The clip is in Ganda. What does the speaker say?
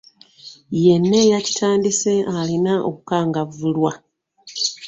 Yenna eyakitandise alina okukangavvulwa.